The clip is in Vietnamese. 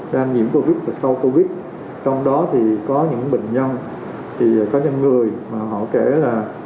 đang nhiễm covid và sau covid trong đó thì có những bệnh nhân thì có những người mà họ kể là